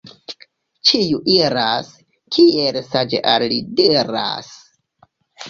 Ĉiu iras, kiel saĝ' al li diras.